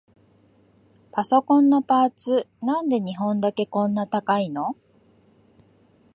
パソコンのパーツ、なんで日本だけこんな高いの？